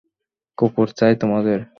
কুকুর চাই তোমাদের?